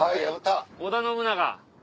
織田信長